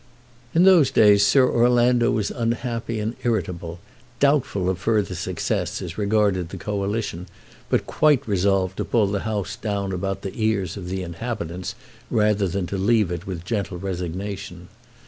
In those days Sir Orlando was unhappy and irritable, doubtful of further success as regarded the Coalition, but quite resolved to pull the house down about the ears of the inhabitants rather than to leave it with gentle resignation.